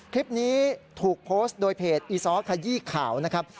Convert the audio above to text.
คลิปนี้ถูกโพสต์โดยเพจอีซ้อขยี้ข่าวนะครับ